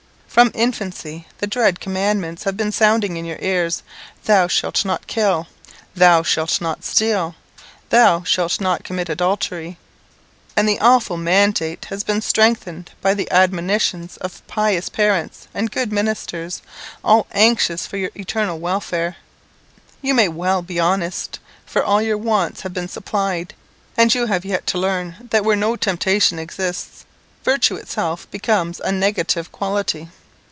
From infancy the dread commandments have been sounding in your ears, "Thou shalt not kill! Thou shalt not steal! Thou shalt not commit adultery!" and the awful mandate has been strengthened by the admonitions of pious parents and good ministers, all anxious for your eternal welfare. You may well be honest; for all your wants have been supplied, and you have yet to learn that where no temptation exists, virtue itself becomes a negative quality.